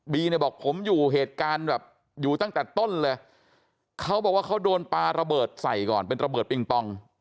เนี่ยบอกผมอยู่เหตุการณ์แบบอยู่ตั้งแต่ต้นเลยเขาบอกว่าเขาโดนปลาระเบิดใส่ก่อนเป็นระเบิดปิงปอง